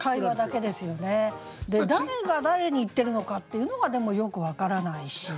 誰が誰に言ってるのかっていうのがでもよく分からないし。